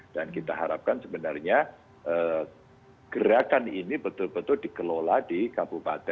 dan kita harapkan sebenarnya gerakan ini betul betul dikelola di kabupaten